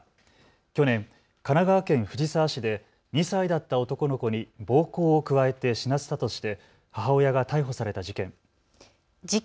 去年、神奈川県藤沢市で２歳だった男の子に暴行を加えて死なせたとして母親が逮捕された事件。